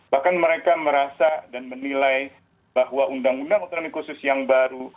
bahkan mereka merasa dan menilai bahwa undang undang otonomi khusus yang baru